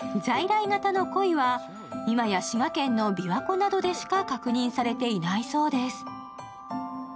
在来型の鯉はいまや滋賀県の琵琶湖などでしか確認されていないそうです。